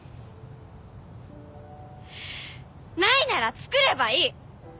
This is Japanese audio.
ないならつくればいい。